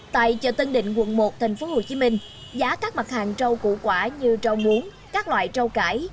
tại chợ tân định quận một tp hcm giá các mặt hàng rau củ quả như rau muống các loại rau cải